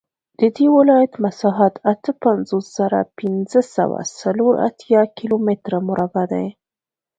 د دې ولایت مساحت اته پنځوس زره پنځه سوه څلور اتیا کیلومتره مربع دی